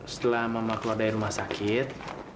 setelah mama keluar dari rumah sakit